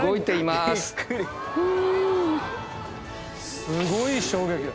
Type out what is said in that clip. すごい衝撃だ。